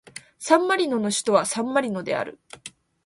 サンマリノの首都はサンマリノである